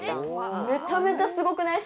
めちゃめちゃすごくない？